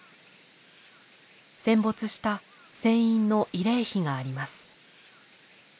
戦没した船員の慰霊碑があります。